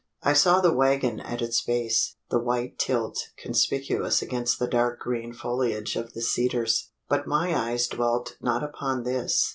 I saw the waggon at its base the white tilt conspicuous against the dark green foliage of the cedars. But my eyes dwelt not upon this.